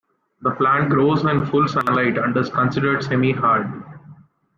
The plant grows in full sunlight, and is considered "semi" hard.